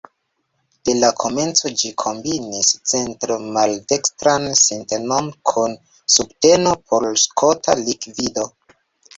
De la komenco ĝi kombinis centro-maldekstran sintenon kun subteno por skota likvido.